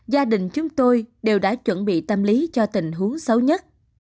gia đình chúng tôi đều đã chuẩn bị tâm lý cho tình huống xấu nhất